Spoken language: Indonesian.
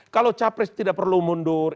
kalau capres tidak perlu mundur